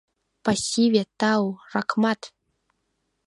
— Пасиве, тау, ракмат...